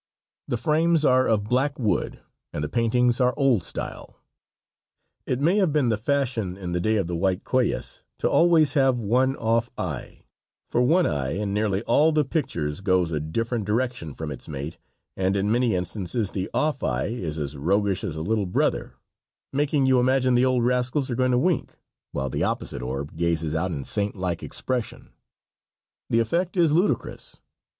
The frames are of black wood and the paintings are old style. It may have been the fashion in the day of white queues to always have one "off" eye, for one eye in nearly all the pictures goes a different direction from its mate, and in many instances the "off" eye is as roguish as a little brother, making you imagine the old rascals are going to wink, while the opposite orb gazes out in saint like expression. The effect is ludicrous.